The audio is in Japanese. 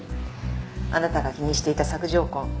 あなたが気にしていた索条痕。